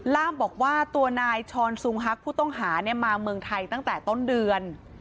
ล่ามบอกว่าตัวนายชอนซุงฮักผู้ต้องหามาเมืองไทยตั้งแต่ต้นเดือน